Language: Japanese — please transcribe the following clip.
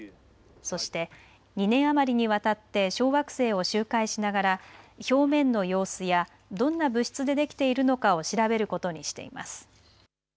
そして２年余りにわたって小惑星を周回しながら表面の様子やどんな物質でできているのかを調べることにしています。